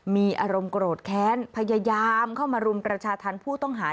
มีอารมณ์โกรธแค้นพยายามเข้ามารุมประชาธรรมผู้ต้องหา